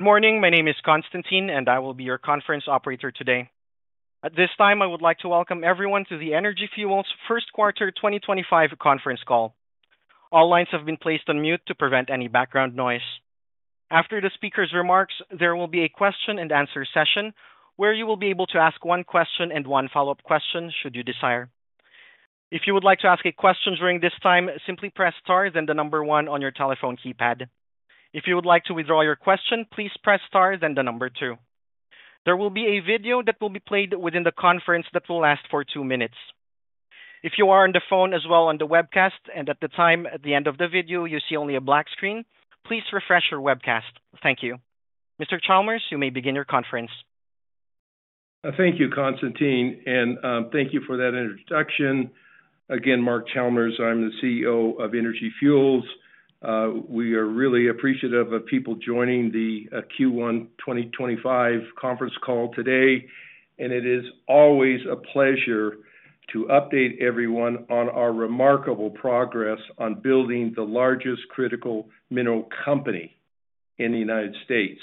Good morning. My name is Konstantin, and I will be your conference operator today. At this time, I would like to welcome everyone to the Energy Fuels Curtis Moore 2025 conference call. All lines have been placed on mute to prevent any background noise. After the speaker's remarks, there will be a question-and-answer session where you will be able to ask one question and one follow-up question should you desire. If you would like to ask a question during this time, simply press star, then the number one on your telephone keypad. If you would like to withdraw your question, please press star, then the number two. There will be a video that will be played within the conference that will last for two minutes. If you are on the phone as well as on the webcast, and at the time at the end of the video, you see only a black screen, please refresh your webcast. Thank you. Mr. Chalmers, you may begin your conference. Thank you, Konstantin, and thank you for that introduction. Again, Mark Chalmers, I'm the CEO of Energy Fuels. We are really appreciative of people joining the Q1 2025 conference call today, and it is always a pleasure to update everyone on our remarkable progress on building the largest critical mineral company in the United States.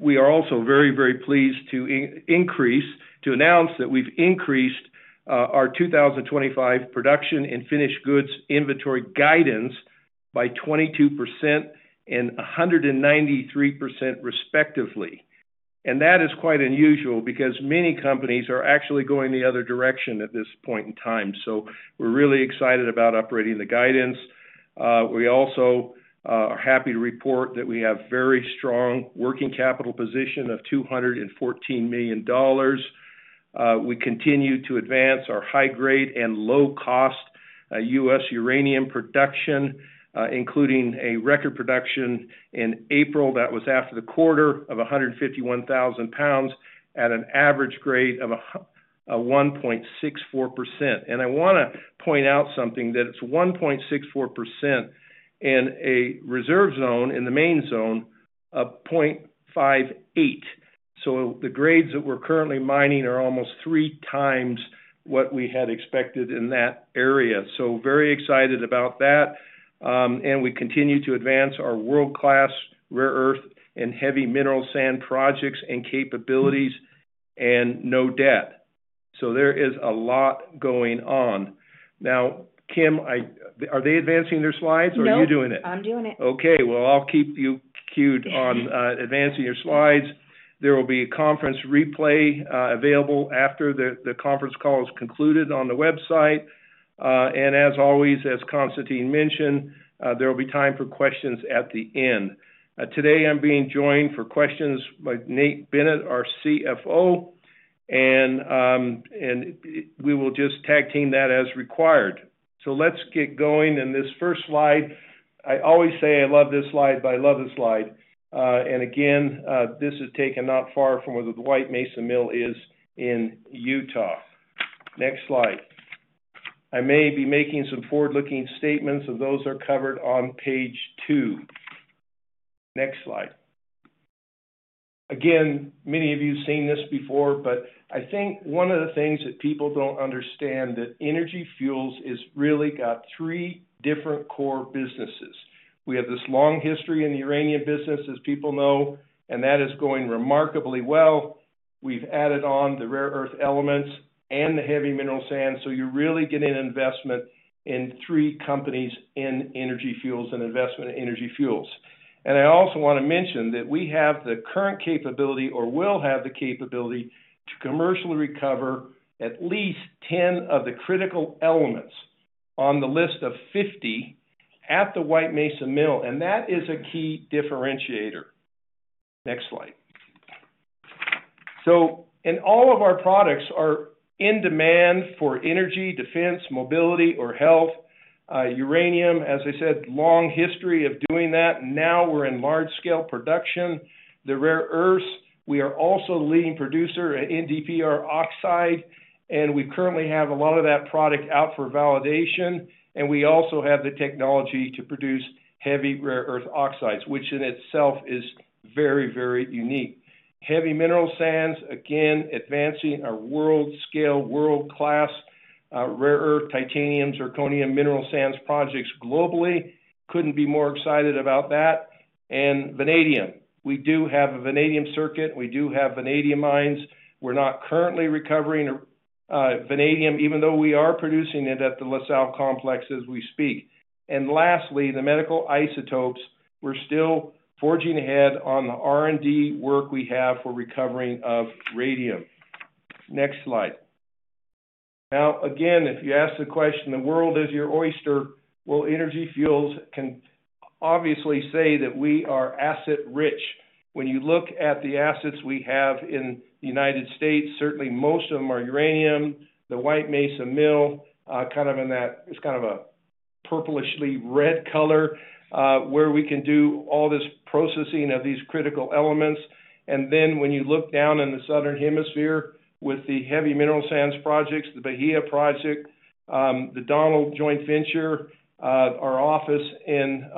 We are also very, very pleased to announce that we've increased our 2025 production and finished goods inventory guidance by 22% and 193%, respectively. That is quite unusual because many companies are actually going the other direction at this point in time. We are really excited about upgrading the guidance. We also are happy to report that we have a very strong working capital position of $214 million. We continue to advance our high-grade and low-cost U.S. Uranium production, including a record production in April that was after the quarter of 151,000 lbs at an average grade of 1.64%. I want to point out something, that it's 1.64% in a reserve zone in the main zone of 0.58%. The grades that we're currently mining are almost three times what we had expected in that area. Very excited about that. We continue to advance our world-class rare earth and heavy mineral sand projects and capabilities and no debt. There is a lot going on. Now, Kim, are they advancing their slides or are you doing it? No, I'm doing it. Okay. I'll keep you queued on advancing your slides. There will be a conference replay available after the conference call is concluded on the website. As always, as Konstantin mentioned, there will be time for questions at the end. Today, I'm being joined for questions by Nate Bennett, our CFO, and we will just tag team that as required. Let's get going. This first slide, I always say I love this slide, but I love this slide. This is taken not far from where the White Mesa Mill is in Utah. Next slide. I may be making some forward-looking statements, and those are covered on page two. Next slide. Many of you have seen this before, but I think one of the things that people do not understand is that Energy Fuels has really got three different core businesses. We have this long history in the uranium business, as people know, and that is going remarkably well. We've added on the rare earth elements and the heavy mineral sands. You are really getting an investment in three companies in Energy Fuels, an investment in Energy Fuels. I also want to mention that we have the current capability or will have the capability to commercially recover at least 10 of the critical elements on the list of 50 at the White Mesa Mill, and that is a key differentiator. Next slide. All of our products are in demand for energy, defense, mobility, or health. Uranium, as I said, long history of doing that. Now we are in large-scale production. The rare earths, we are also leading producer at NdPr oxide, and we currently have a lot of that product out for validation. We also have the technology to produce heavy rare earth oxides, which in itself is very, very unique. Heavy mineral sands, again, advancing our world-scale, world-class rare earth titanium zirconium mineral sands projects globally. I could not be more excited about that. Vanadium, we do have a vanadium circuit. We do have vanadium mines. We are not currently recovering vanadium, even though we are producing it at the La Salle Complex as we speak. Lastly, the medical isotopes. We are still forging ahead on the R&D work we have for recovering of radium. Next slide. Now, again, if you ask the question, the world is your oyster, Energy Fuels can obviously say that we are asset-rich. When you look at the assets we have in the United States, certainly most of them are uranium. The White Mesa Mill, kind of in that, it's kind of a purplishly red color where we can do all this processing of these critical elements. When you look down in the Southern Hemisphere with the heavy mineral sands projects, the Bahia Project, the Donald Joint Venture, our office in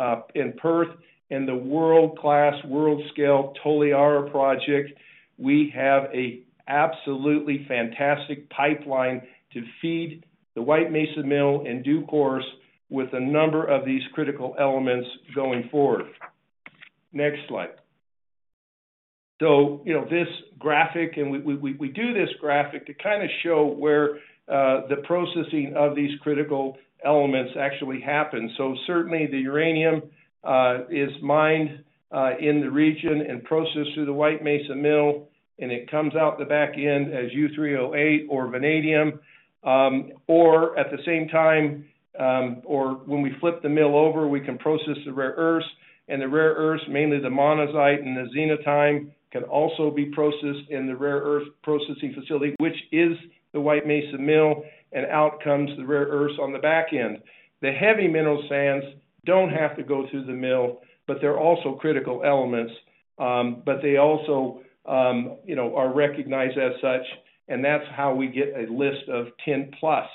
Perth, and the world-class, world-scale Toliara Project, we have an absolutely fantastic pipeline to feed the White Mesa Mill and Dew Corps with a number of these critical elements going forward. Next slide. This graphic, and we do this graphic to kind of show where the processing of these critical elements actually happens. Certainly the uranium is mined in the region and processed through the White Mesa Mill, and it comes out the back end as U3O8 or vanadium. Or at the same time, or when we flip the mill over, we can process the rare earths, and the rare earths, mainly the monazite and the xenotime, can also be processed in the rare earth processing facility, which is the White Mesa Mill, and out comes the rare earths on the back end. The heavy mineral sands do not have to go through the mill, but they are also critical elements, but they also are recognized as such, and that is how we get a list of 10 plus.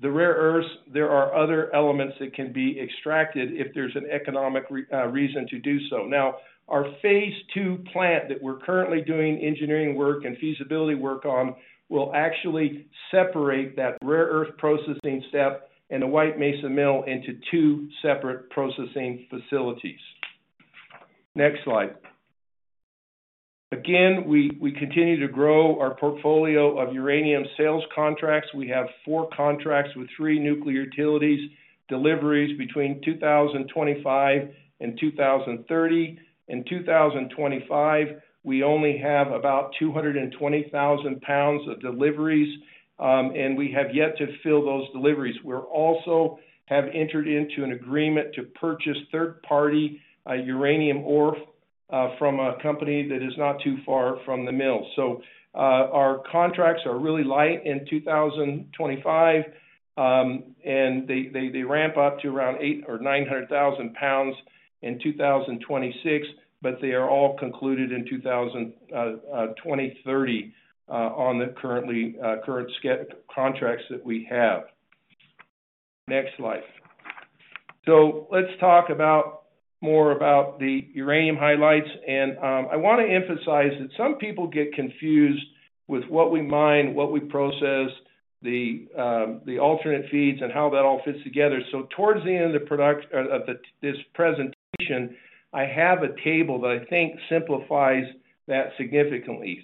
The rare earths, there are other elements that can be extracted if there is an economic reason to do so. Now, our phase II plant that we are currently doing engineering work and feasibility work on will actually separate that rare earth processing step and the White Mesa Mill into two separate processing facilities. Next slide. Again, we continue to grow our portfolio of uranium sales contracts. We have four contracts with three nuclear utilities, deliveries between 2025 and 2030. In 2025, we only have about 220,000 lbs of deliveries, and we have yet to fill those deliveries. We also have entered into an agreement to purchase third-party uranium ore from a company that is not too far from the mill. Our contracts are really light in 2025, and they ramp up to around 800,000 or 900,000 lbs in 2026, but they are all concluded in 2030 on the current contracts that we have. Next slide. Let's talk more about the uranium highlights, and I want to emphasize that some people get confused with what we mine, what we process, the alternate feeds, and how that all fits together. Towards the end of this presentation, I have a table that I think simplifies that significantly.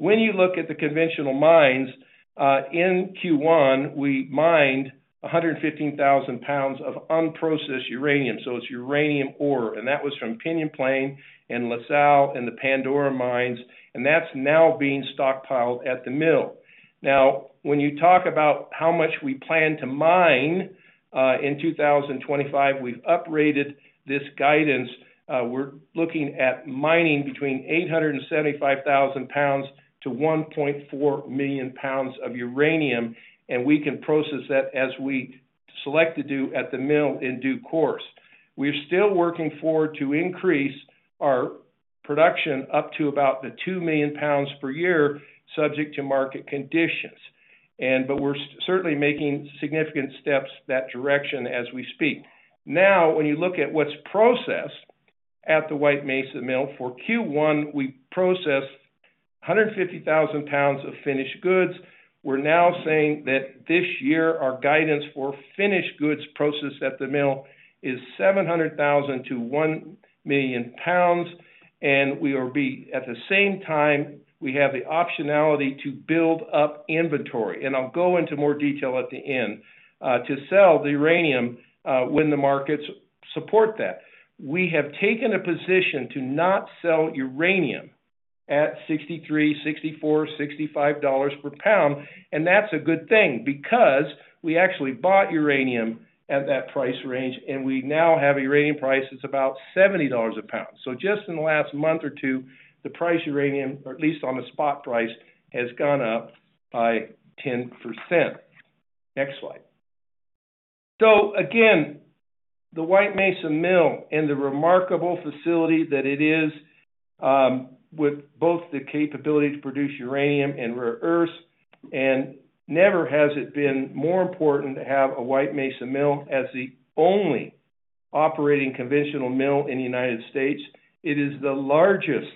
When you look at the conventional mines, in Q1, we mined 115,000 lbs of unprocessed uranium. It is uranium ore, and that was from Pinyon Plain and La Salle and the Pandora mines, and that is now being stockpiled at the mill. Now, when you talk about how much we plan to mine in 2025, we have upgraded this guidance. We are looking at mining between 875,000 lbs-1.4 million lbs of uranium, and we can process that as we select to do at the mill in due course. We are still working forward to increase our production up to about 2 million lbs per year, subject to market conditions. We are certainly making significant steps in that direction as we speak. Now, when you look at what's processed at the White Mesa Mill, for Q1, we processed 150,000 lbs of finished goods. We are now saying that this year, our guidance for finished goods processed at the mill is 700,000-1 million lbs. We will be, at the same time, we have the optionality to build up inventory. I will go into more detail at the end to sell the uranium when the markets support that. We have taken a position to not sell uranium at $63, $64, $65 per lbs, and that's a good thing because we actually bought uranium at that price range, and we now have uranium prices about $70 a lbs. Just in the last month or two, the price of uranium, or at least on the spot price, has gone up by 10%. Next slide. Again, the White Mesa Mill and the remarkable facility that it is with both the capability to produce uranium and rare earths, and never has it been more important to have a White Mesa Mill as the only operating conventional mill in the United States. It is the largest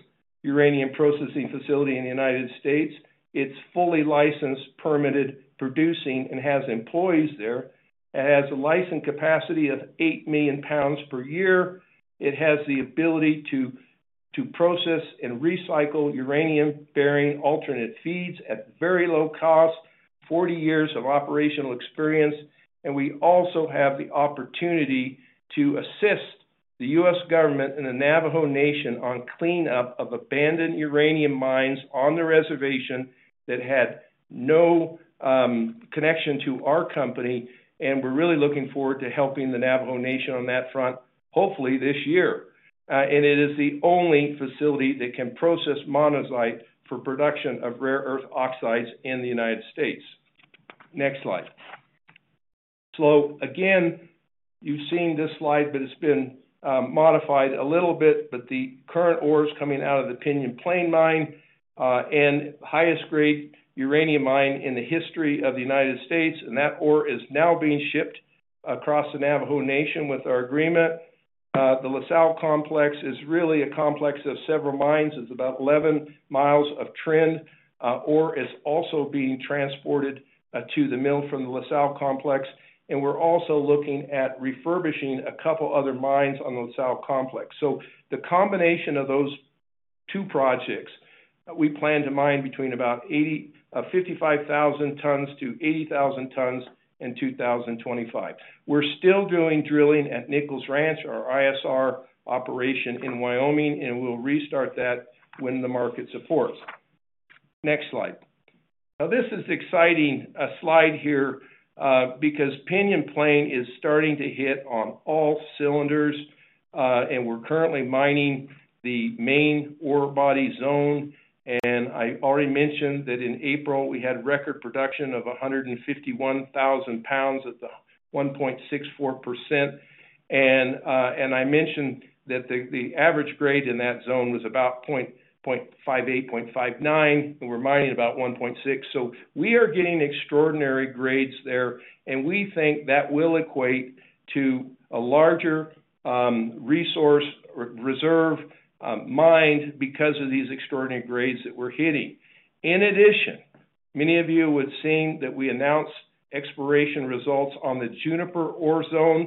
uranium processing facility in the United States. It's fully licensed, permitted, producing, and has employees there. It has a licensed capacity of 8 million lbs per year. It has the ability to process and recycle uranium-bearing alternate feeds at very low cost, 40 years of operational experience. We also have the opportunity to assist the U.S. government and the Navajo Nation on cleanup of abandoned uranium mines on the reservation that had no connection to our company. We're really looking forward to helping the Navajo Nation on that front, hopefully this year. It is the only facility that can process monazite for production of rare earth oxides in the United States. Next slide. You have seen this slide, but it has been modified a little bit, but the current ore is coming out of the Pinyon Plain Mine, and highest-grade uranium mine in the history of the United States. That ore is now being shipped across the Navajo Nation with our agreement. The La Salle Complex is really a complex of several mines. It is about 11 mi of trend. Ore is also being transported to the mill from the La Salle Complex. We are also looking at refurbishing a couple of other mines on the La Salle Complex. The combination of those two projects, we plan to mine between about 55,000 tons-80,000 tons in 2025. We're still doing drilling at Nichols Ranch, our ISR operation in Wyoming, and we'll restart that when the market supports. Next slide. This is an exciting slide here because Pinyon Plain is starting to hit on all cylinders, and we're currently mining the main ore body zone. I already mentioned that in April, we had record production of 151,000 lbs at the 1.64%. I mentioned that the average grade in that zone was about 0.58, 0.59, and we're mining about 1.6. We are getting extraordinary grades there, and we think that will equate to a larger resource reserve mined because of these extraordinary grades that we're hitting. In addition, many of you would have seen that we announced exploration results on the Juniper ore zone.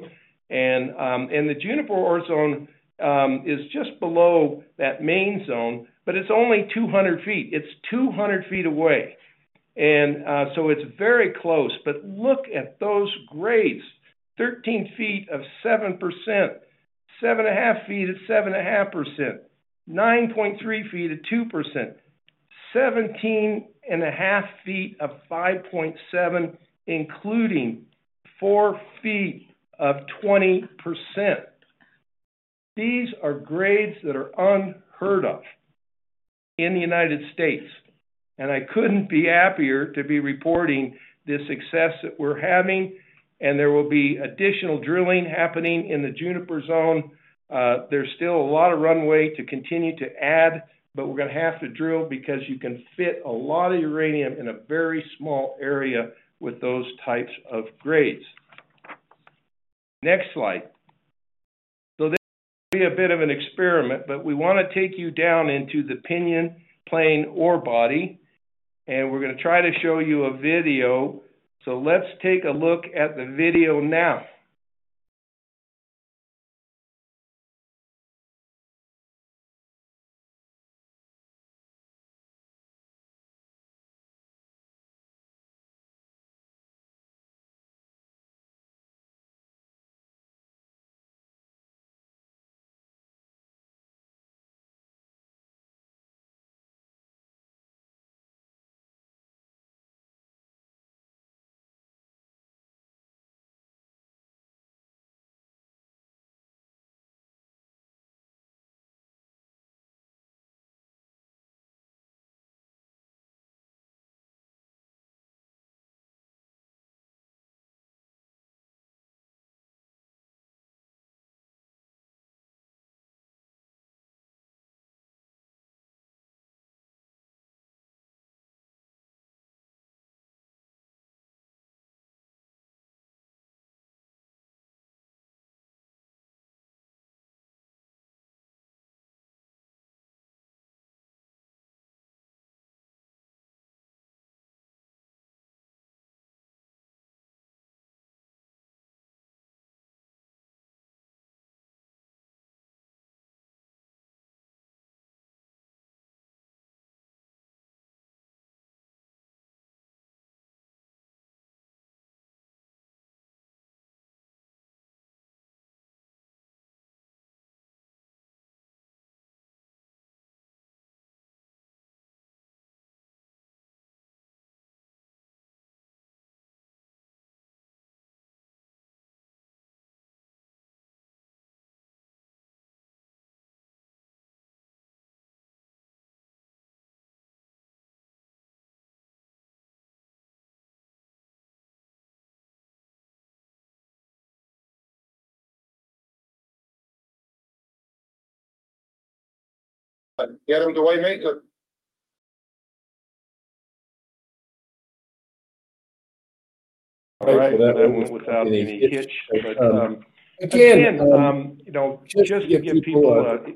The Juniper ore zone is just below that main zone, but it's only 200 ft. It's 200 ft away. It is very close. Look at those grades. 13 ft of 7%, 7.5 ft at 7.5%, 9.3 ft at 2%, 17.5 ft of 5.7%, including 4 ft of 20%. These are grades that are unheard of in the United States. I could not be happier to be reporting this success that we are having. There will be additional drilling happening in the Juniper zone. There is still a lot of runway to continue to add, but we are going to have to drill because you can fit a lot of uranium in a very small area with those types of grades. Next slide. This will be a bit of an experiment, but we want to take you down into the Pinyon Plain ore body. We are going to try to show you a video. Let us take a look at the video now. Again, just to give people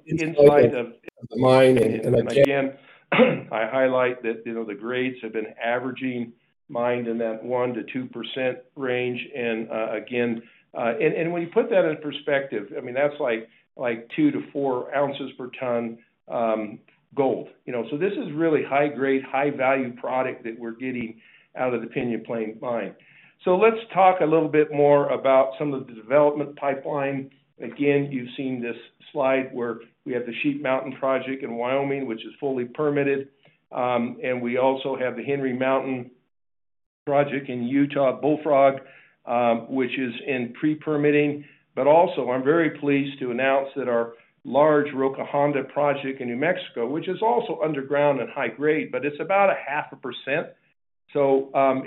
insight of the mine. Again, I highlight that the grades have been averaging mined in that 1%-2% range. Again, when you put that in perspective, I mean, that's like 2-4 ounces per ton gold. This is really high-grade, high-value product that we're getting out of the Pinyon Plain mine. Let's talk a little bit more about some of the development pipeline. Again, you've seen this slide where we have the Sheep Mountain Project in Wyoming, which is fully permitted. We also have the Henry Mountain Project in Utah, Bullfrog, which is in pre-permitting. I'm very pleased to announce that our large Roca Honda project in New Mexico, which is also underground and high-grade, is about 0.5%.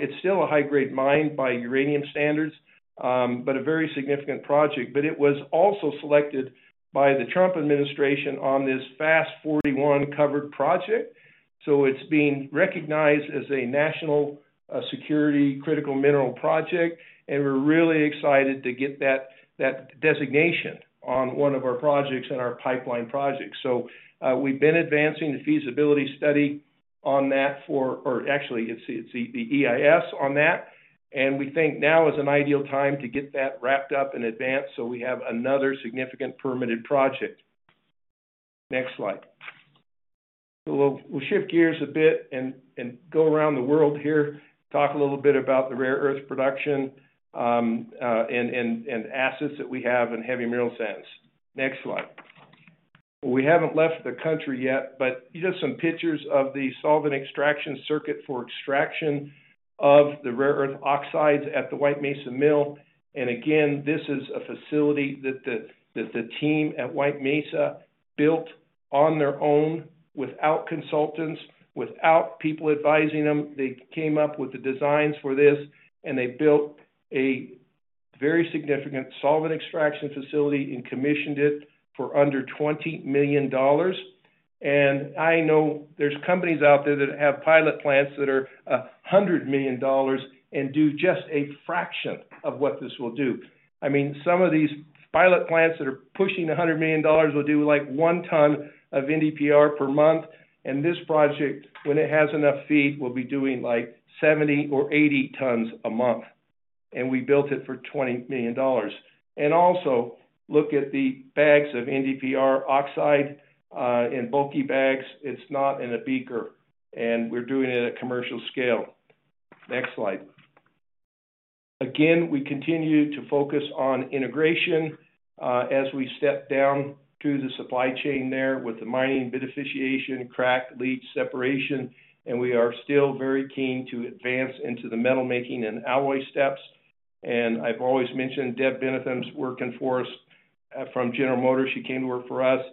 It's still a high-grade mine by uranium standards, but a very significant project. It was also selected by the Trump administration on this FAST-41 covered project. It is being recognized as a national security critical mineral project. We're really excited to get that designation on one of our projects and our pipeline projects. We've been advancing the feasibility study on that, or actually, it's the EIS on that. We think now is an ideal time to get that wrapped up in advance so we have another significant permitted project. Next slide. We'll shift gears a bit and go around the world here, talk a little bit about the rare earth production and assets that we have in heavy mineral sands. Next slide. We haven't left the country yet, but just some pictures of the solvent extraction circuit for extraction of the rare earth oxides at the White Mesa Mill. Again, this is a facility that the team at White Mesa built on their own without consultants, without people advising them. They came up with the designs for this, and they built a very significant solvent extraction facility and commissioned it for under $20 million. I know there are companies out there that have pilot plants that are $100 million and do just a fraction of what this will do. I mean, some of these pilot plants that are pushing $100 million will do like one ton of NdPr per month. This project, when it has enough feed, will be doing like 70 or 80 tons a month. We built it for $20 million. Also, look at the bags of NdPr oxide in bulky bags. It's not in a beaker. We're doing it at commercial scale. Next slide. Again, we continue to focus on integration as we step down through the supply chain there with the mining, bonification, crack, leach, separation. We are still very keen to advance into the metal making and alloy steps. I've always mentioned Deb Bennethum's working for us from General Motors. She came to work for us,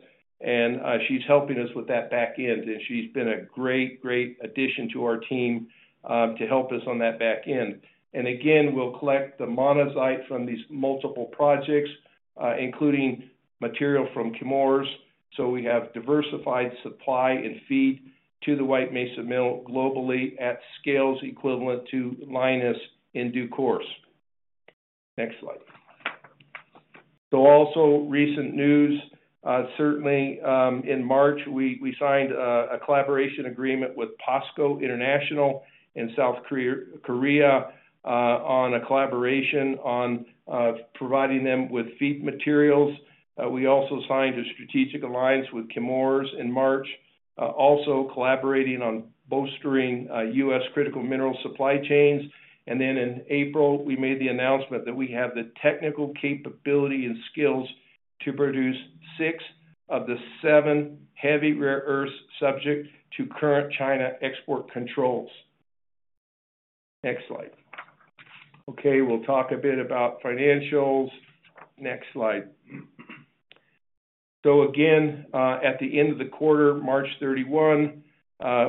and she's helping us with that back end. She's been a great, great addition to our team to help us on that back end. Again, we'll collect the monazite from these multiple projects, including material from Chemours. We have diversified supply and feed to the White Mesa Mill globally at scales equivalent to Lynas in due course. Next slide. Also, recent news, certainly in March, we signed a collaboration agreement with POSCO International in South Korea on a collaboration on providing them with feed materials. We also signed a strategic alliance with Chemours in March, also collaborating on bolstering U.S. critical mineral supply chains. In April, we made the announcement that we have the technical capability and skills to produce six of the seven heavy rare earths subject to current China export controls. Next slide. Okay, we'll talk a bit about financials. Next slide. Again, at the end of the quarter, March 31,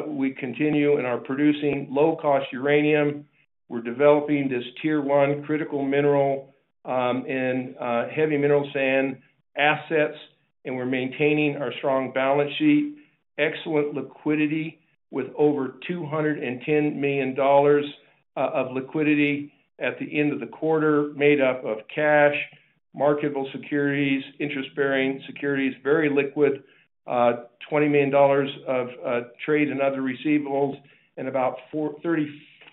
we continue in our producing low-cost uranium. We're developing this tier one critical mineral and heavy mineral sand assets, and we're maintaining our strong balance sheet. Excellent liquidity with over $210 million of liquidity at the end of the quarter made up of cash, marketable securities, interest-bearing securities, very liquid, $20 million of trade and other receivables, and about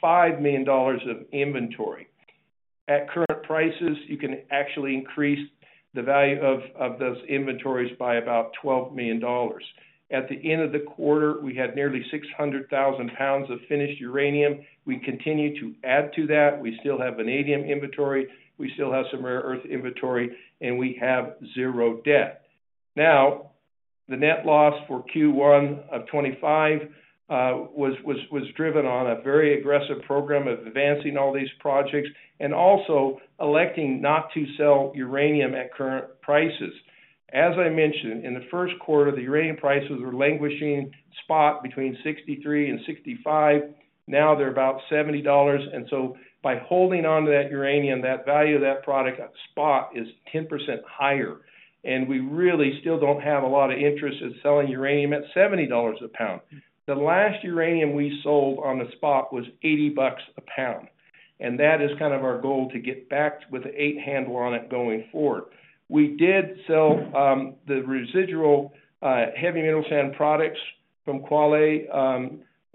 $35 million of inventory. At current prices, you can actually increase the value of those inventories by about $12 million. At the end of the quarter, we had nearly 600,000 lbs of finished uranium. We continue to add to that. We still have vanadium inventory. We still have some rare earth inventory, and we have zero debt. Now, the net loss for Q1 of 2025 was driven on a very aggressive program of advancing all these projects and also electing not to sell uranium at current prices. As I mentioned, in the first quarter, the uranium prices were languishing spot between $63-$65. Now they're about $70. By holding on to that uranium, that value of that product spot is 10% higher. We really still do not have a lot of interest in selling uranium at $70 a lbs. The last uranium we sold on the spot was $80 a lbs. That is kind of our goal to get back with an eight handle on it going forward. We did sell the residual heavy mineral sand products from Qualay,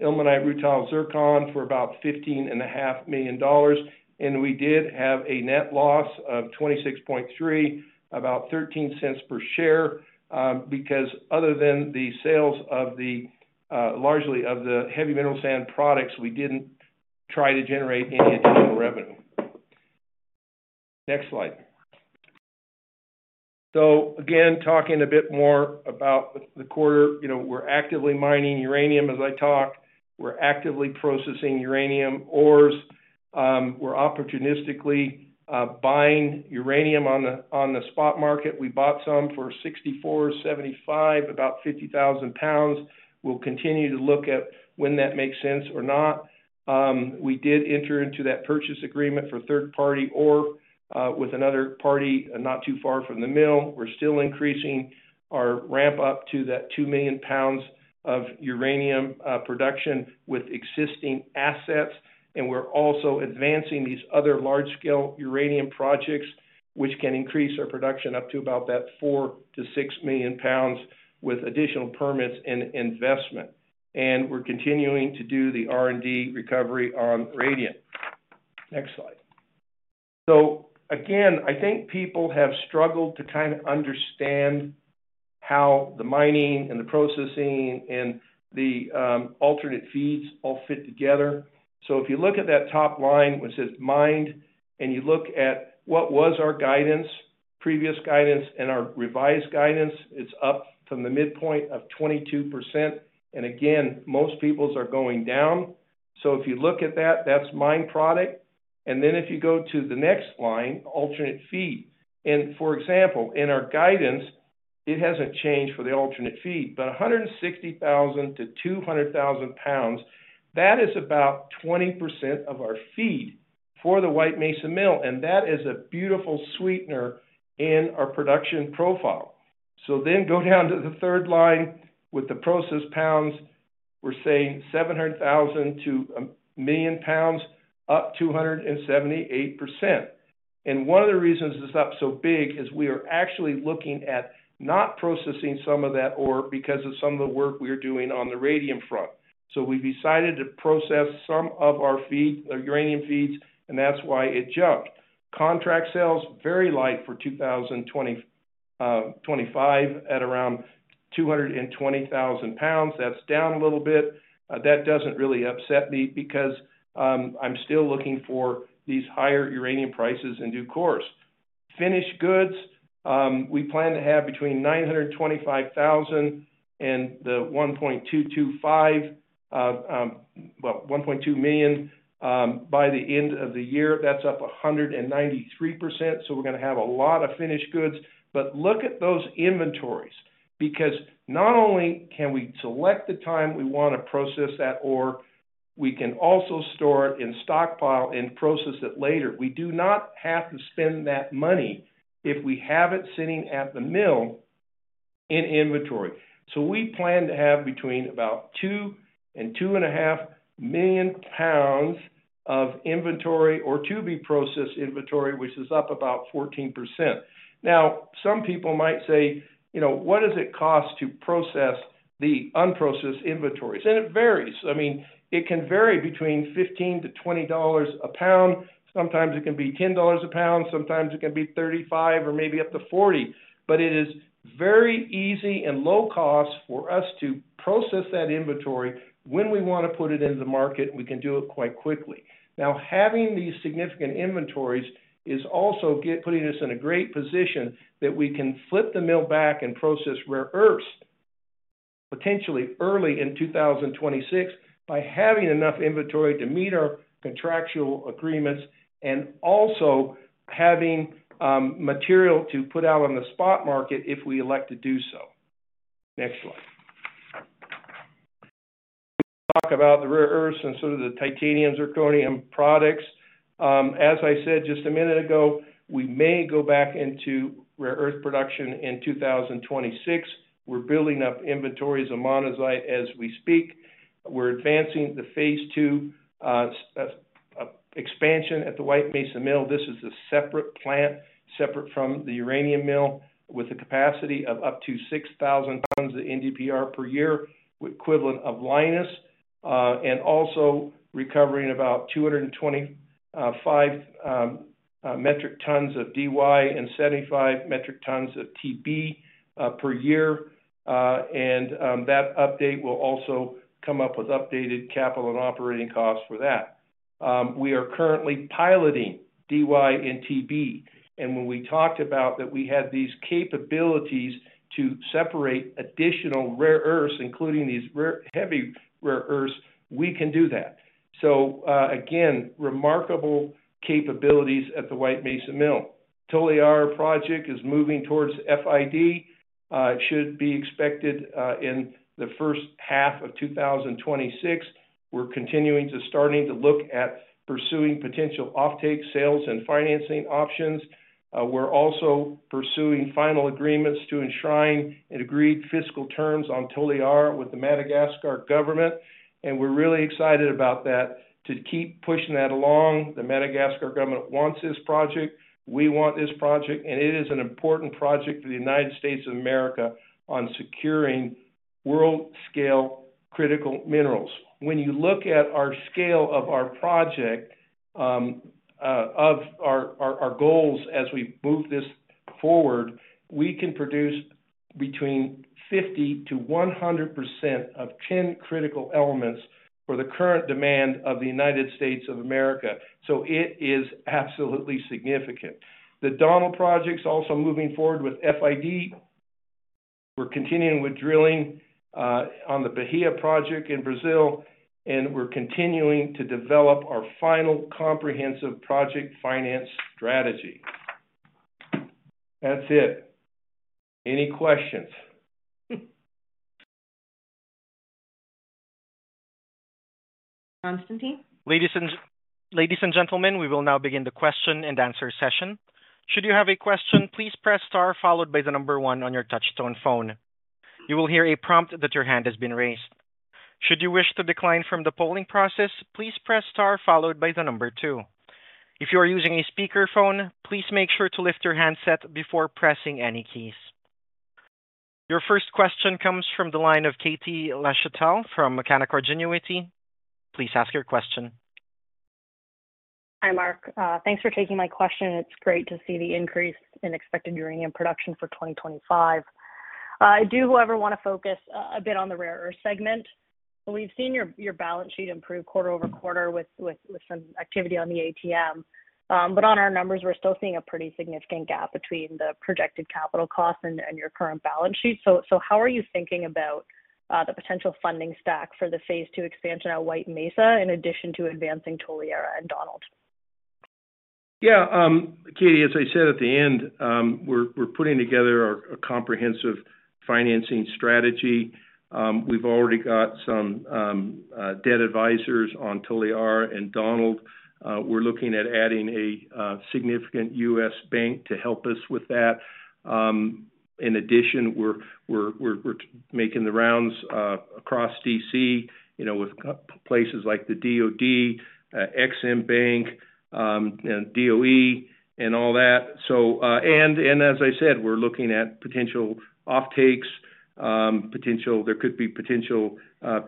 Ilmenite, Rutile, Zircon for about $15.5 million. We did have a net loss of $26.3 million, about $0.13 per share, because other than the sales of largely the heavy mineral sand products, we did not try to generate any additional revenue. Next slide. Again, talking a bit more about the quarter, we are actively mining uranium as I talk. We are actively processing uranium ores. We are opportunistically buying uranium on the spot market. We bought some for $64, $75, about 50,000 lbs. We'll continue to look at when that makes sense or not. We did enter into that purchase agreement for third-party ore with another party not too far from the mill. We're still increasing our ramp up to that 2 million lbs of uranium production with existing assets. We're also advancing these other large-scale uranium projects, which can increase our production up to about that 4-6 million lbs with additional permits and investment. We're continuing to do the R&D recovery on radium. Next slide. I think people have struggled to kind of understand how the mining and the processing and the alternate feeds all fit together. If you look at that top line which says mined, and you look at what was our guidance, previous guidance, and our revised guidance, it's up from the midpoint of 22%. Again, most people's are going down. If you look at that, that's mine product. If you go to the next line, alternate feed. For example, in our guidance, it hasn't changed for the alternate feed, but 160,000-200,000 lbs, that is about 20% of our feed for the White Mesa Mill. That is a beautiful sweetener in our production profile. Then go down to the third line with the process lbs, we're saying 700,000-1,000,000 lbs, up 278%. One of the reasons it's up so big is we are actually looking at not processing some of that ore because of some of the work we're doing on the radium front. We have decided to process some of our feed, our uranium feeds, and that's why it jumped. Contract sales are very light for 2025 at around 220,000 lbs. That's down a little bit. That doesn't really upset me because I'm still looking for these higher uranium prices in due course. Finished goods, we plan to have between 925,000 and 1.2 million by the end of the year. That's up 193%. We are going to have a lot of finished goods. Look at those inventories because not only can we select the time we want to process that ore, we can also store it in stockpile and process it later. We do not have to spend that money if we have it sitting at the mill in inventory. We plan to have between about 2-2.5 million lbs of inventory or to-be-processed inventory, which is up about 14%. Now, some people might say, "What does it cost to process the unprocessed inventories?" It varies. I mean, it can vary between $15-$20 a lbs. Sometimes it can be $10 a lbs. Sometimes it can be $35 or maybe up to $40. It is very easy and low cost for us to process that inventory when we want to put it into the market. We can do it quite quickly. Now, having these significant inventories is also putting us in a great position that we can flip the mill back and process rare earths potentially early in 2026 by having enough inventory to meet our contractual agreements and also having material to put out on the spot market if we elect to do so. Next slide. We'll talk about the rare earths and sort of the titanium zirconium products. As I said just a minute ago, we may go back into rare earth production in 2026. We're building up inventories of monazite as we speak. We're advancing the phase II expansion at the White Mesa Mill. This is a separate plant, separate from the uranium mill with a capacity of up to 6,000 lbs of NdPr per year, equivalent of Lynas, and also recovering about 225 metric tons of Dy and 75 metric tons of Tb per year. That update will also come up with updated capital and operating costs for that. We are currently piloting Dy and Tb. When we talked about that we had these capabilities to separate additional rare earths, including these heavy rare earths, we can do that. Again, remarkable capabilities at the White Mesa Mill. Toliara project is moving towards FID. It should be expected in the first half of 2026. We are continuing to start to look at pursuing potential offtake, sales, and financing options. We are also pursuing final agreements to enshrine and agree fiscal terms on Toliara with the Madagascar government. We are really excited about that to keep pushing that along. The Madagascar government wants this project. We want this project. It is an important project for the United States of America on securing world-scale critical minerals. When you look at our scale of our project, of our goals as we move this forward, we can produce between 50-100% of 10 critical elements for the current demand of the United States of America. So it is absolutely significant. The Donald project's also moving forward with FID. We're continuing with drilling on the Bahia project in Brazil. And we're continuing to develop our final comprehensive project finance strategy. That's it. Any questions? Konstantin? Ladies and gentlemen, we will now begin the question and answer session. Should you have a question, please press star followed by the number one on your touchstone phone. You will hear a prompt that your hand has been raised. Should you wish to decline from the polling process, please press star followed by the number two. If you are using a speakerphone, please make sure to lift your handset before pressing any keys. Your first question comes from the line of Katie Lachapelle from Canaccord Genuity. Please ask your question. Hi, Mark. Thanks for taking my question. It's great to see the increase in expected uranium production for 2025. I do, however, want to focus a bit on the rare earth segment. We've seen your balance sheet improve quarter over quarter with some activity on the ATM. On our numbers, we're still seeing a pretty significant gap between the projected capital costs and your current balance sheet. How are you thinking about the potential funding stack for the phase II expansion at White Mesa in addition to advancing Toliara and Donald? Yeah. Katie, as I said at the end, we're putting together a comprehensive financing strategy. We've already got some debt advisors on Toliara and Donald. We're looking at adding a significant U.S. bank to help us with that. In addition, we're making the rounds across D.C. with places like the DOD, Exim Bank, DOE, and all that. As I said, we're looking at potential offtakes. There could be potential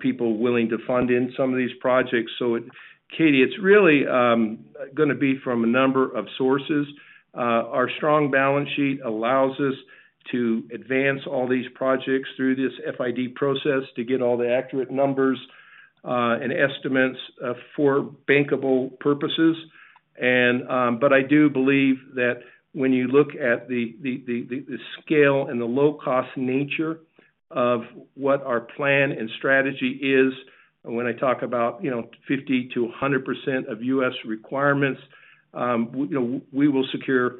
people willing to fund in some of these projects. Katie, it's really going to be from a number of sources. Our strong balance sheet allows us to advance all these projects through this FID process to get all the accurate numbers and estimates for bankable purposes. I do believe that when you look at the scale and the low-cost nature of what our plan and strategy is, when I talk about 50%-100% of U.S. requirements, we will secure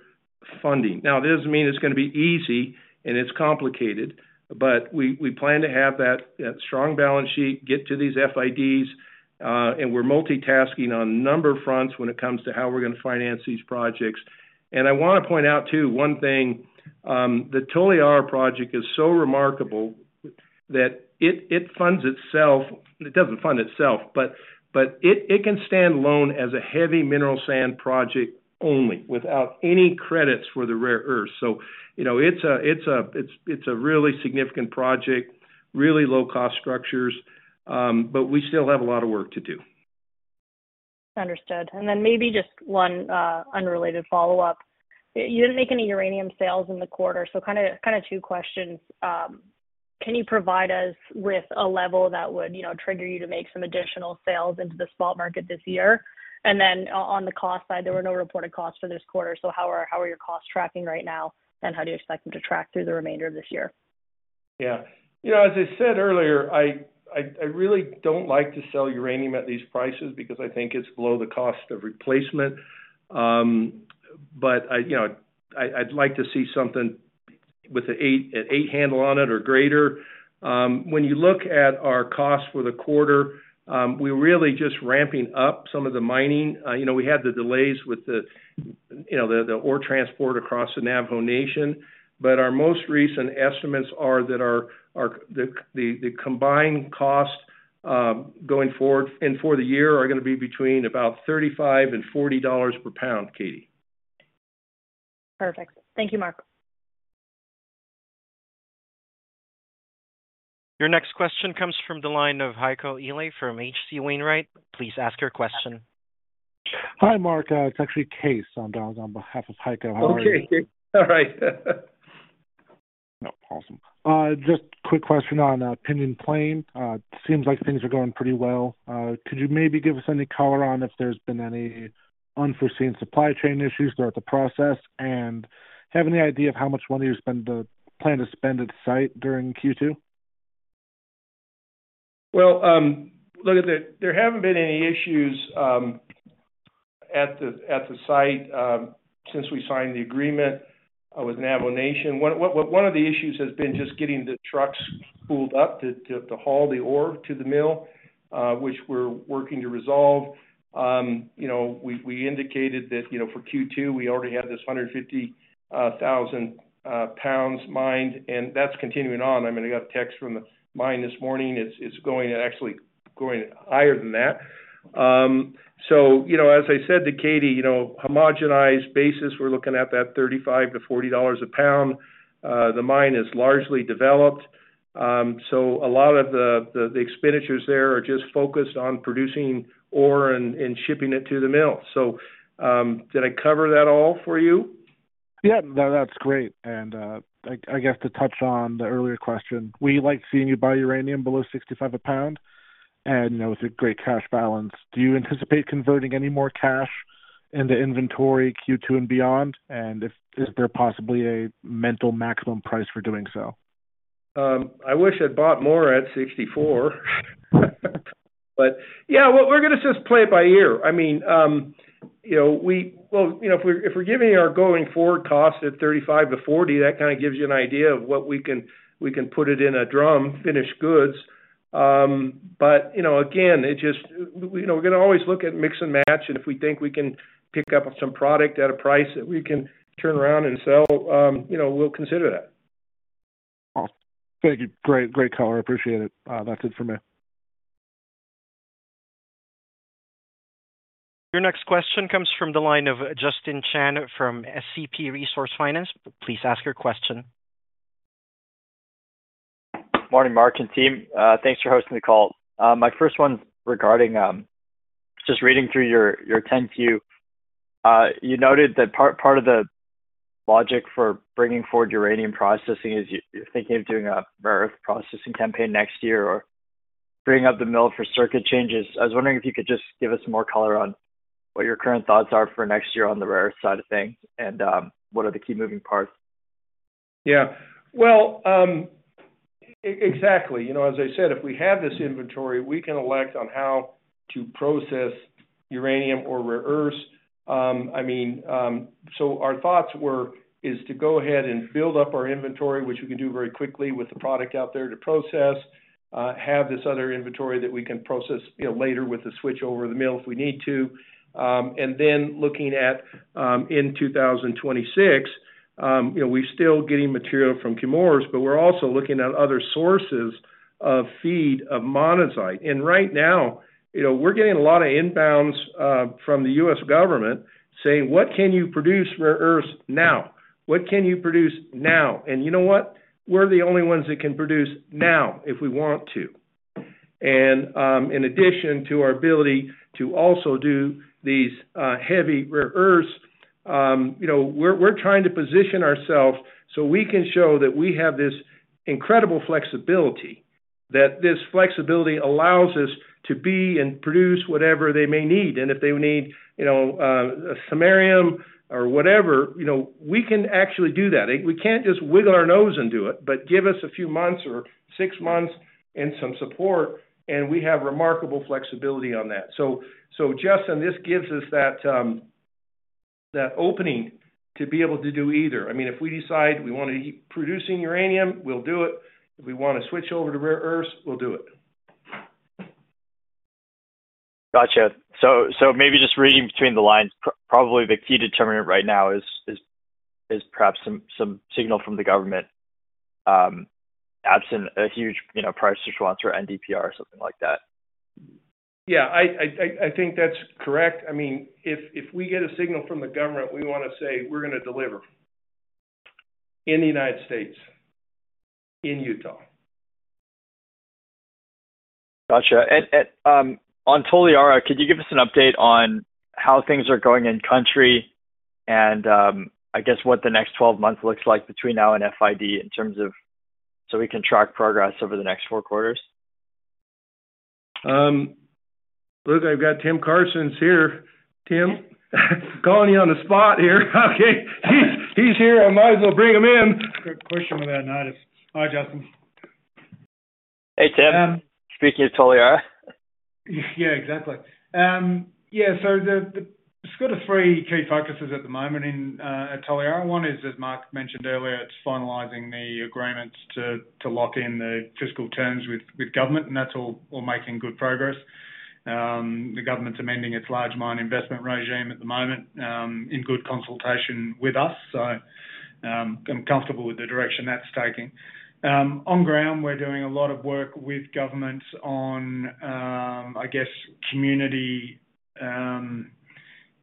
funding. Now, it does not mean it is going to be easy and it is complicated. We plan to have that strong balance sheet get to these FIDs. We are multitasking on a number of fronts when it comes to how we are going to finance these projects. I want to point out too one thing. The Toliara Project is so remarkable that it funds itself. It does not fund itself, but it can stand alone as a heavy mineral sands project only without any credits for the rare earth. It is a really significant project, really low-cost structures. We still have a lot of work to do. Understood. Maybe just one unrelated follow-up. You did not make any uranium sales in the quarter. Kind of two questions. Can you provide us with a level that would trigger you to make some additional sales into the spot market this year? On the cost side, there were no reported costs for this quarter. How are your costs tracking right now? How do you expect them to track through the remainder of this year? Yeah. As I said earlier, I really do not like to sell uranium at these prices because I think it is below the cost of replacement. I would like to see something with an eight handle on it or greater. When you look at our cost for the quarter, we are really just ramping up some of the mining. We had the delays with the ore transport across the Navajo Nation. Our most recent estimates are that the combined cost going forward and for the year are going to be between about $35-$40 per lbs, Katie. Perfect. Thank you, Mark. Your next question comes from the line of Heiko Ihle from HC Wainwright. Please ask your question. Hi, Mark. It's actually Case on behalf of Heiko. How are you? Okay. All right. Awesome. Just a quick question on Pinyon Plain. It seems like things are going pretty well. Could you maybe give us any color on if there's been any unforeseen supply chain issues throughout the process? And have any idea of how much money you plan to spend at the site during Q2? There have not been any issues at the site since we signed the agreement with Navajo Nation. One of the issues has been just getting the trucks pulled up to haul the ore to the mill, which we're working to resolve. We indicated that for Q2, we already had this 150,000 lbs mined. That's continuing on. I mean, I got a text from the mine this morning. It's actually going higher than that. As I said to Katie, homogenized basis, we're looking at that $35-$40 a lbs. The mine is largely developed. A lot of the expenditures there are just focused on producing ore and shipping it to the mill. Did I cover that all for you? Yeah. No, that's great. I guess to touch on the earlier question, we like seeing you buy uranium below $65 a lbs and with a great cash balance. Do you anticipate converting any more cash into inventory Q2 and beyond? Is there possibly a mental maximum price for doing so? I wish I'd bought more at $64. Yeah, we're going to just play it by ear. I mean, if we're giving our going forward cost at $35-$40, that kind of gives you an idea of what we can put it in a drum, finished goods. Again, we're going to always look at mix and match. If we think we can pick up some product at a price that we can turn around and sell, we'll consider that. Awesome. Thank you. Great color. I appreciate it. That's it for me. Your next question comes from the line of Justin Chan from SCP Resource Finance. Please ask your question. Morning, Mark and team. Thanks for hosting the call. My first one's regarding just reading through your 10Q. You noted that part of the logic for bringing forward uranium processing is you're thinking of doing a rare earth processing campaign next year or bringing up the mill for circuit changes. I was wondering if you could just give us more color on what your current thoughts are for next year on the rare earth side of things and what are the key moving parts. Yeah. Exactly. As I said, if we have this inventory, we can elect on how to process uranium or rare earths. I mean, our thoughts were to go ahead and build up our inventory, which we can do very quickly with the product out there to process, have this other inventory that we can process later with the switch over the mill if we need to. Looking at in 2026, we're still getting material from Chemours, but we're also looking at other sources of feed of monazite. Right now, we're getting a lot of inbounds from the U.S. government saying, "What can you produce rare earths now? What can you produce now? You know what? We're the only ones that can produce now if we want to. In addition to our ability to also do these heavy rare earths, we're trying to position ourselves so we can show that we have this incredible flexibility, that this flexibility allows us to be and produce whatever they may need. If they need a samarium or whatever, we can actually do that. We can't just wiggle our nose and do it, but give us a few months or six months and some support, and we have remarkable flexibility on that. Justin, this gives us that opening to be able to do either. I mean, if we decide we want to be producing uranium, we'll do it. If we want to switch over to rare earths, we'll do it. Gotcha. Maybe just reading between the lines, probably the key determinant right now is perhaps some signal from the government absent a huge price response or NdPr or something like that. Yeah. I think that's correct. I mean, if we get a signal from the government, we want to say we're going to deliver in the United States, in Utah. Gotcha. On Toliara, could you give us an update on how things are going in country and I guess what the next 12 months looks like between now and FID in terms of so we can track progress over the next four quarters? Look, I've got Tim Carstens here. Tim, calling you on the spot here. Okay. He's here. I might as well bring him in. Quick question with that, notice. Hi, Justin. Hey, Tim. Speaking of Toliara. Yeah, exactly. Yeah. There are sort of three key focuses at the moment in Toliara. One is, as Mark mentioned earlier, it's finalizing the agreements to lock in the fiscal terms with government. That is all making good progress. The government's amending its large mine investment regime at the moment in good consultation with us. I am comfortable with the direction that's taking. On ground, we're doing a lot of work with government on, I guess, community—I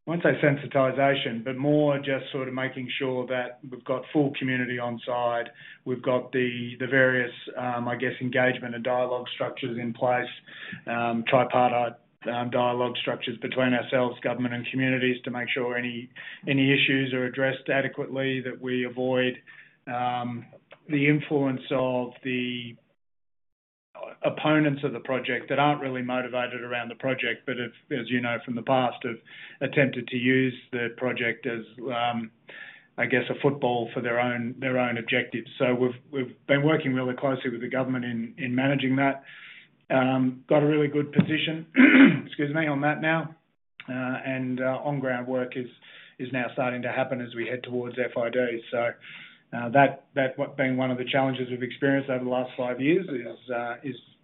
won't say sensitization, but more just sort of making sure that we've got full community on side. We've got the various, I guess, engagement and dialogue structures in place, tripartite dialogue structures between ourselves, government, and communities to make sure any issues are addressed adequately, that we avoid the influence of the opponents of the project that aren't really motivated around the project, but as you know from the past, have attempted to use the project as, I guess, a football for their own objectives. We've been working really closely with the government in managing that. Got a really good position, excuse me, on that now. On-ground work is now starting to happen as we head towards FID. That being one of the challenges we've experienced over the last five years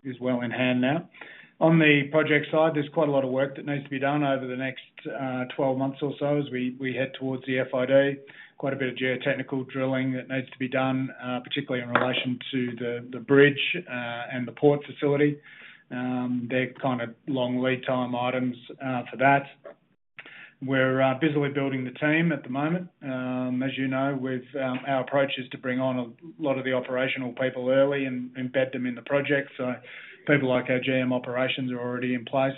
is well in hand now. On the project side, there's quite a lot of work that needs to be done over the next 12 months or so as we head towards the FID. Quite a bit of geotechnical drilling that needs to be done, particularly in relation to the bridge and the port facility. They are kind of long lead time items for that. We are busily building the team at the moment. As you know, our approach is to bring on a lot of the operational people early and embed them in the project. People like our GM operations are already in place.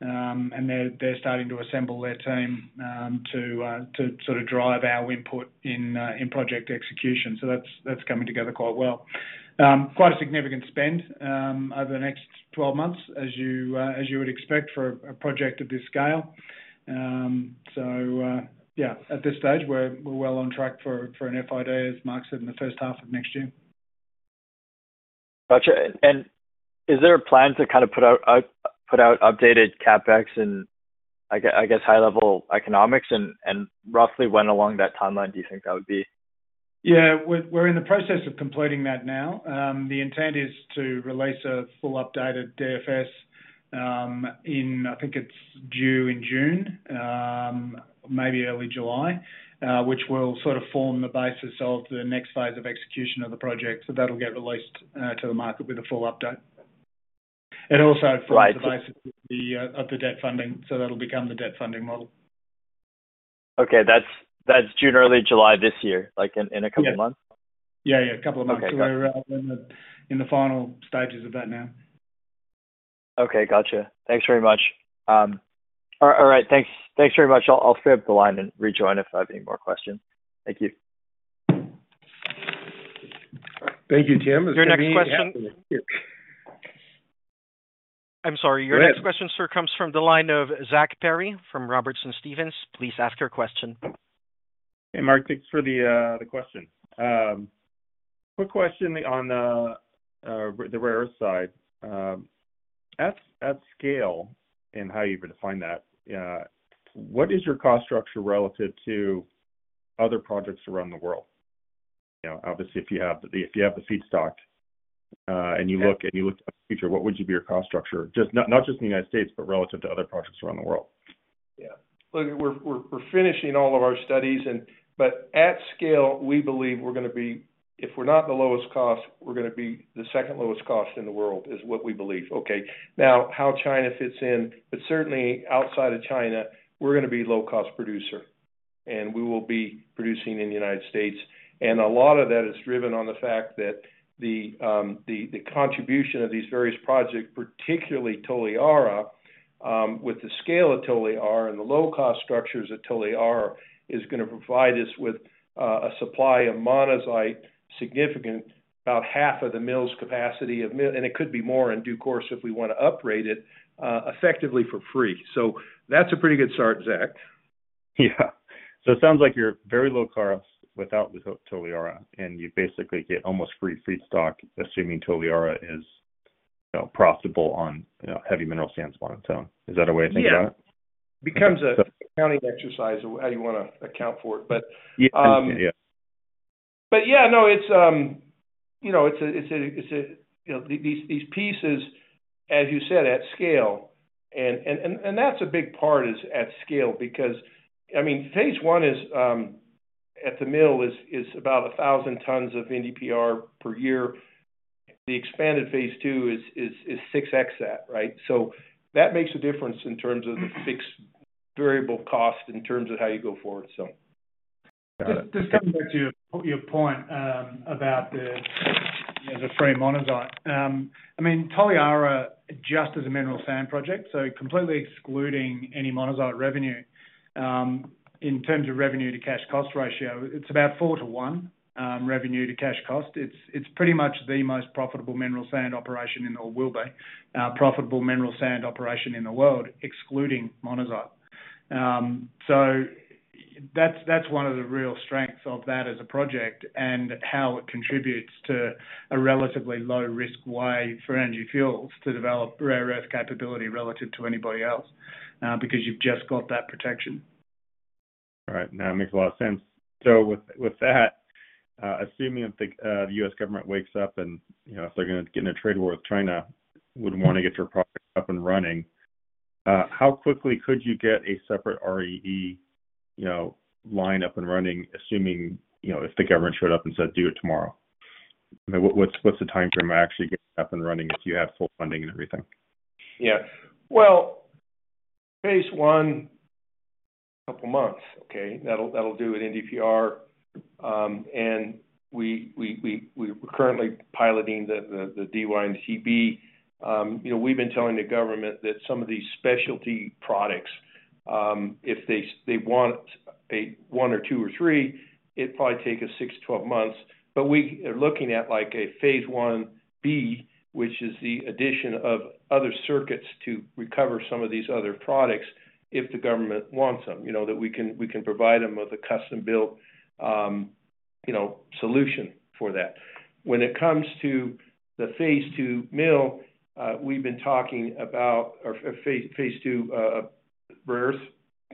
They are starting to assemble their team to sort of drive our input in project execution. That is coming together quite well. Quite a significant spend over the next 12 months, as you would expect for a project of this scale. At this stage, we are well on track for an FID, as Mark said, in the first half of next year. Gotcha. Is there a plan to kind of put out updated CapEx and, I guess, high-level economics? And roughly when along that timeline do you think that would be? Yeah. We're in the process of completing that now. The intent is to release a full updated DFS in, I think it's due in June, maybe early July, which will sort of form the basis of the next phase of execution of the project. That will get released to the market with a full update. It also forms the basis of the debt funding. That will become the debt funding model. Okay. That's June, early July this year, like in a couple of months? Yeah. Yeah. A couple of months. We're in the final stages of that now. Okay. Gotcha. Thanks very much. All right. Thanks very much. I'll stay up the line and rejoin if I have any more questions. Thank you. Thank you, Tim. Your next question? I'm sorry. Your next question, sir, comes from the line of Zack Perry from Robertson Stephens. Please ask your question. Hey, Mark. Thanks for the question. Quick question on the rare earth side. At scale, and how you even define that, what is your cost structure relative to other projects around the world? Obviously, if you have the feedstock and you look at the future, what would be your cost structure? Not just in the United States, but relative to other projects around the world. Yeah. Look, we're finishing all of our studies. At scale, we believe we're going to be—if we're not the lowest cost, we're going to be the second lowest cost in the world, is what we believe. Okay. Now, how China fits in, but certainly outside of China, we're going to be a low-cost producer. We will be producing in the United States. A lot of that is driven on the fact that the contribution of these various projects, particularly Toliara, with the scale of Toliara and the low-cost structures at Toliara, is going to provide us with a supply of monazite significant, about half of the mill's capacity. It could be more in due course if we want to upgrade it effectively for free. That is a pretty good start, Zack. Yeah. It sounds like you're very low cost without Toliara, and you basically get almost free feedstock, assuming Toliara is profitable on heavy mineral sands by its own. Is that a way of thinking about it? Yeah. It becomes a counting exercise of how you want to account for it. Yeah, no, it's a—these pieces, as you said, at scale. That's a big part, is at scale, because, I mean, phase I at the mill is about 1,000 tons of NdPr per year. The expanded phase II is 6x that, right? That makes a difference in terms of the fixed and variable cost in terms of how you go forward. Just coming back to your point about the free monazite. I mean, Toliara just as a mineral sand project, so completely excluding any monazite revenue. In terms of revenue-to-cash cost ratio, it's about 4 to 1 revenue-to-cash cost. It's pretty much the most profitable mineral sand operation in the—or will be a profitable mineral sand operation in the world, excluding monazite. That's one of the real strengths of that as a project and how it contributes to a relatively low-risk way for Energy Fuels to develop rare earth capability relative to anybody else because you've just got that protection. All right. No, that makes a lot of sense. With that, assuming the U.S. government wakes up and if they're going to get in a trade war with China would want to get your project up and running, how quickly could you get a separate REE line up and running, assuming if the government showed up and said, "Do it tomorrow"? I mean, what's the timeframe of actually getting it up and running if you have full funding and everything? Yeah. Phase I, a couple of months, okay? That'll do an NdPr. And we're currently piloting the Dy and Tb. We've been telling the government that some of these specialty products, if they want one or two or three, it'd probably take us 6-12 months. But we are looking at a phase I-B, which is the addition of other circuits to recover some of these other products if the government wants them, that we can provide them with a custom-built solution for that. When it comes to the phase II mill, we've been talking about a phase II rare earth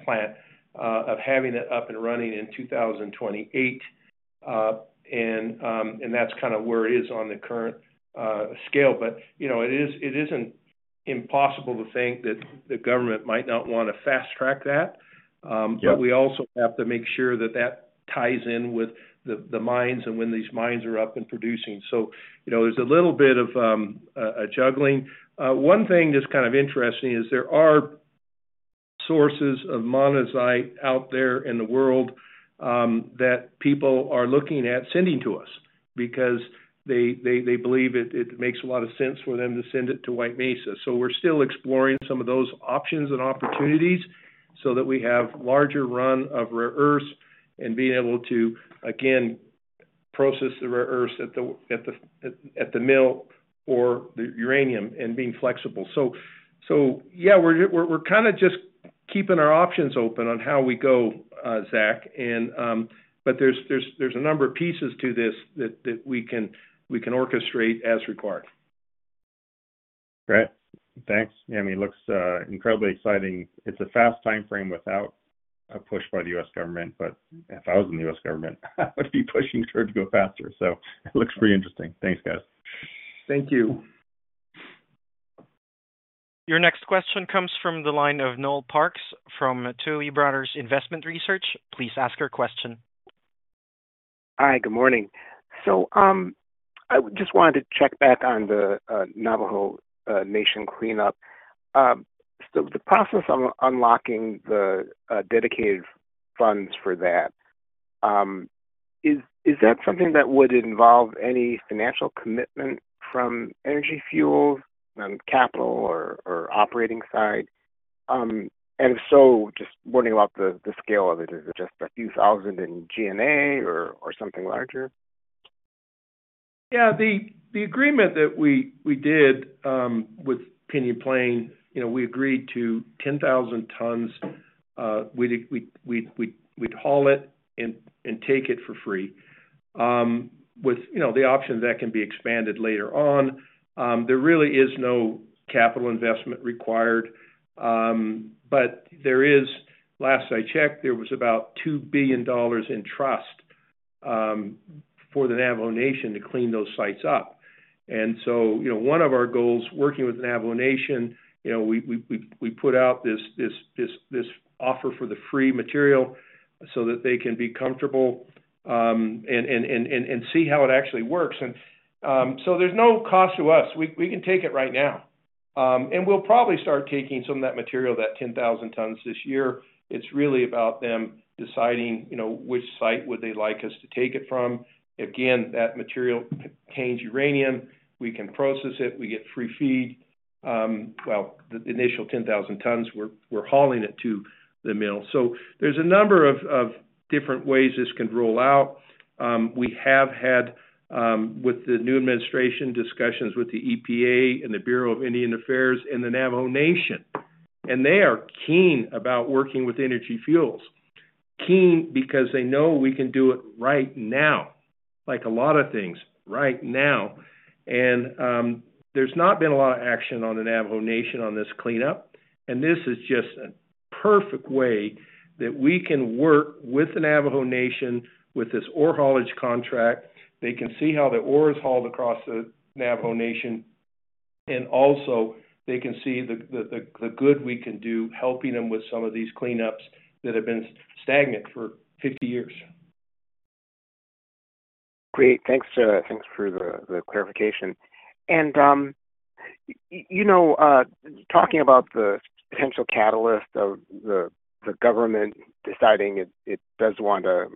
plant of having it up and running in 2028. And that's kind of where it is on the current scale. But it isn't impossible to think that the government might not want to fast-track that. But we also have to make sure that that ties in with the mines and when these mines are up and producing. So there's a little bit of juggling. One thing that's kind of interesting is there are sources of monazite out there in the world that people are looking at sending to us because they believe it makes a lot of sense for them to send it to White Mesa. We're still exploring some of those options and opportunities so that we have a larger run of rare earth and being able to, again, process the rare earth at the mill or the uranium and being flexible. Yeah, we're kind of just keeping our options open on how we go, Zack. There's a number of pieces to this that we can orchestrate as required. Great. Thanks. Yeah. I mean, it looks incredibly exciting. It's a fast timeframe without a push by the U.S. government. If I was in the U.S. government, I would be pushing for it to go faster. It looks pretty interesting. Thanks, guys. Thank you. Your next question comes from the line of Noel Parks from Tuohy Brothers Investment Research. Please ask your question. Hi. Good morning. I just wanted to check back on the Navajo Nation cleanup. The process of unlocking the dedicated funds for that, is that something that would involve any financial commitment from Energy Fuels on the capital or operating side? If so, just wondering about the scale of it. Is it just a few thousand in G&A or something larger? Yeah. The agreement that we did with Pinyon Plain, we agreed to 10,000 tons. We'd haul it and take it for free with the option that can be expanded later on. There really is no capital investment required. Last I checked, there was about $2 billion in trust for the Navajo Nation to clean those sites up. One of our goals, working with the Navajo Nation, is we put out this offer for the free material so that they can be comfortable and see how it actually works. There is no cost to us. We can take it right now. We will probably start taking some of that material, that 10,000 tons, this year. It is really about them deciding which site they would like us to take it from. That material contains uranium. We can process it. We get free feed. The initial 10,000 tons, we are hauling it to the mill. There are a number of different ways this can roll out. We have had, with the new administration, discussions with the EPA and the Bureau of Indian Affairs and the Navajo Nation. They are keen about working with Energy Fuels. Keen because they know we can do it right now, like a lot of things, right now. There has not been a lot of action on the Navajo Nation on this cleanup. This is just a perfect way that we can work with the Navajo Nation with this ore haulage contract. They can see how the ore is hauled across the Navajo Nation. Also, they can see the good we can do helping them with some of these cleanups that have been stagnant for 50 years. Great. Thanks for the clarification. Talking about the potential catalyst of the government deciding it does want to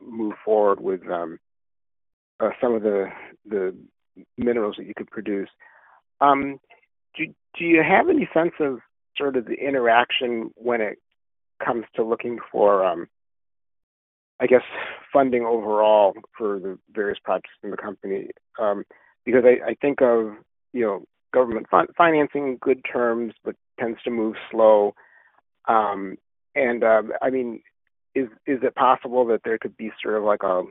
move forward with some of the minerals that you could produce, do you have any sense of sort of the interaction when it comes to looking for, I guess, funding overall for the various projects in the company? Because I think of government financing in good terms, but it tends to move slow. I mean, is it possible that there could be sort of like a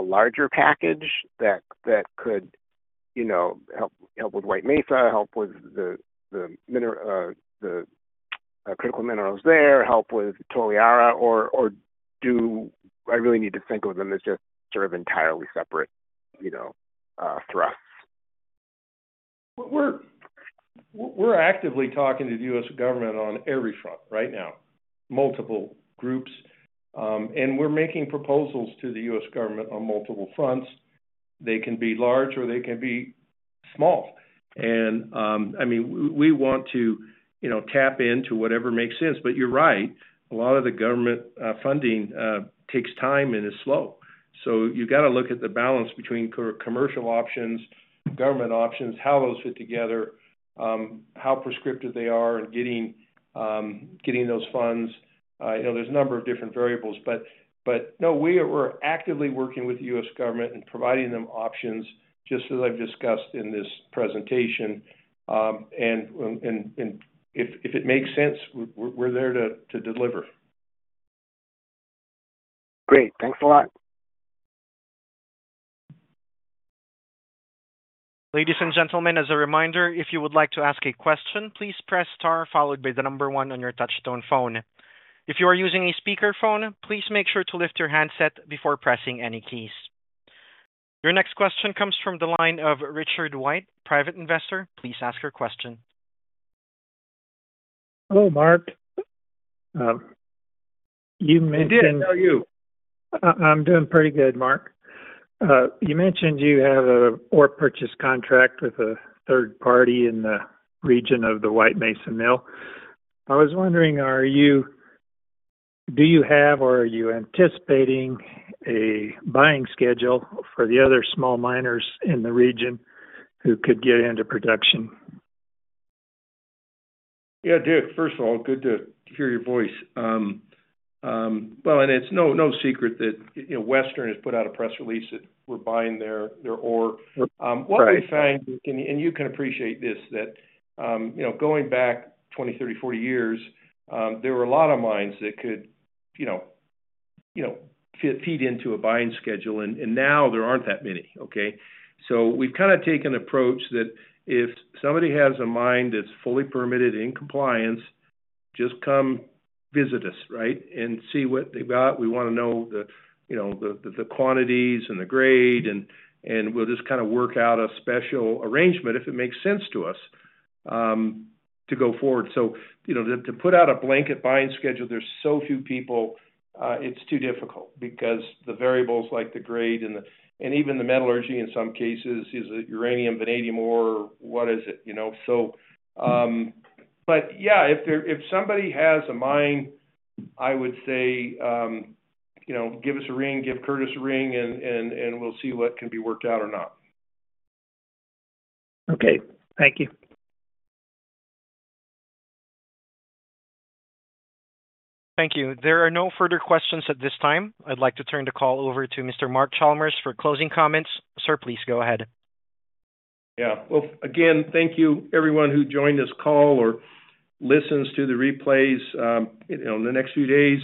larger package that could help with White Mesa, help with the critical minerals there, help with Toliara, or do I really need to think of them as just sort of entirely separate thrusts? We're actively talking to the U.S. government on every front right now, multiple groups. We're making proposals to the U.S. government on multiple fronts. They can be large or they can be small. I mean, we want to tap into whatever makes sense. You're right. A lot of the government funding takes time and is slow. You've got to look at the balance between commercial options, government options, how those fit together, how prescriptive they are in getting those funds. are a number of different variables. No, we are actively working with the U.S. government and providing them options, just as I have discussed in this presentation. If it makes sense, we are there to deliver. Great. Thanks a lot. Ladies and gentlemen, as a reminder, if you would like to ask a question, please press star followed by the number one on your touch-tone phone. If you are using a speakerphone, please make sure to lift your handset before pressing any keys. Your next question comes from the line of Richard White, private investor. Please ask your question. Hello, Mark. Good to know you. I am doing pretty good, Mark. You mentioned you have an ore purchase contract with a third party in the region of the White Mesa Mill. I was wondering, do you have or are you anticipating a buying schedule for the other small miners in the region who could get into production? Yeah, Dick, first of all, good to hear your voice. It is no secret that Western has put out a press release that we are buying their ore. What we find—and you can appreciate this—is that going back 20, 30, 40 years, there were a lot of mines that could feed into a buying schedule. Now there are not that many, okay? We have kind of taken an approach that if somebody has a mine that is fully permitted and in compliance, just come visit us, right, and see what they have got. We want to know the quantities and the grade. We will just kind of work out a special arrangement, if it makes sense to us, to go forward. To put out a blanket buying schedule, there are so few people, it is too difficult because the variables like the grade and even the metallurgy in some cases—is it uranium, vanadium ore, what is it? If somebody has a mine, I would say, "Give us a ring. Give Curtis a ring, and we will see what can be worked out or not." Thank you. Thank you. There are no further questions at this time. I would like to turn the call over to Mr. Mark Chalmers for closing comments. Sir, please go ahead. Again, thank you, everyone who joined this call or listens to the replays in the next few days.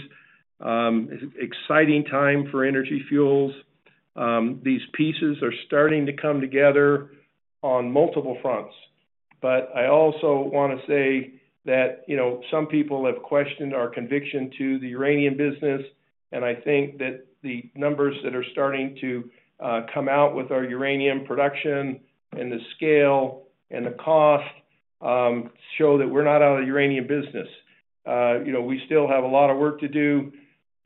Exciting time for Energy Fuels. These pieces are starting to come together on multiple fronts. I also want to say that some people have questioned our conviction to the uranium business. I think that the numbers that are starting to come out with our uranium production and the scale and the cost show that we're not out of the uranium business. We still have a lot of work to do.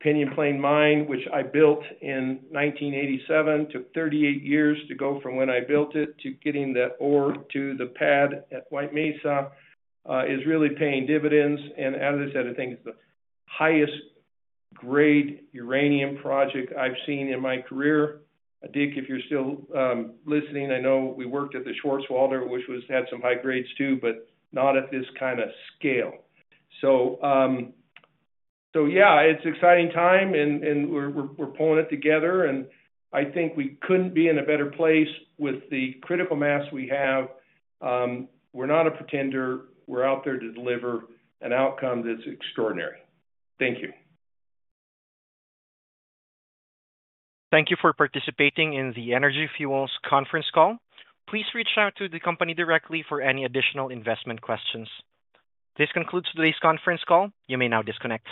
Pinyon Plain Mine, which I built in 1987, took 38 years to go from when I built it to getting the ore to the pad at White Mesa, is really paying dividends. As I said, I think it's the highest-grade uranium project I've seen in my career. Dick, if you're still listening, I know we worked at the Schwarzwälder, which had some high grades too, but not at this kind of scale. Yeah, it's an exciting time. We're pulling it together. I think we couldn't be in a better place with the critical mass we have. We're not a pretender. We're out there to deliver an outcome that's extraordinary. Thank you. Thank you for participating in the Energy Fuels conference call. Please reach out to the company directly for any additional investment questions. This concludes today's conference call. You may now disconnect.